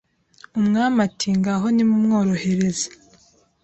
”.Umwami ati ngaho nimumworohereze